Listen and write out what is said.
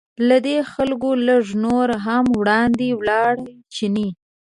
له دې خلکو لږ نور هم وړاندې ولاړ چیني.